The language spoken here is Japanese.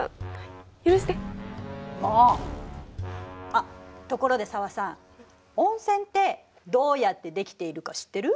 あっところで紗和さん温泉ってどうやってできているか知ってる？